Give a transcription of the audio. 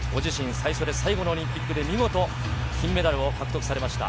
最初で最後のオリンピックで見事金メダルを獲得されました